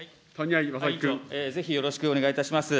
ぜひよろしくお願いいたします。